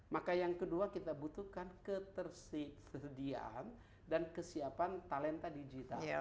maka yang kedua kita butuhkan ketersediaan dan kesiapan talenta digital